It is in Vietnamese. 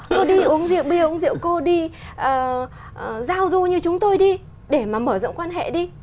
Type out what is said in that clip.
cô đi uống rượu bia uống rượu cô đi giao du như chúng tôi đi để mà mở rộng quan hệ đi